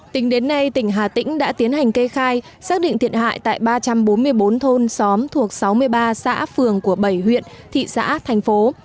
tính đến nay tỉnh hà tĩnh đã tiến hành kê khai xác định thiệt hại tại ba trăm bốn mươi bốn thôn xóm thuộc sáu mươi ba xã phường của bảy huyện thị xã thành phố